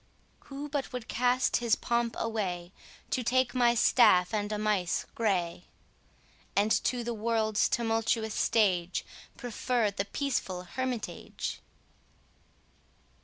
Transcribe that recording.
Who but would cast his pomp away, To take my staff and amice grey, And to the world's tumultuous stage, Prefer the peaceful Hermitage?